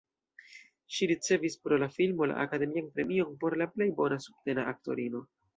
Ŝi ricevis pro la filmo la Akademian Premion por la plej bona subtena aktorino.